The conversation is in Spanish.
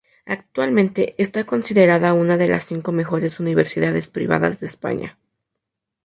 Actualmente está considerada una de las cinco mejores universidades privadas de España.